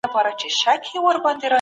سیاسي اختلاف باید د دښمنۍ لامل ونه ګرځي.